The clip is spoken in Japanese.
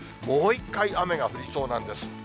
もう一回雨が降りそうなんです。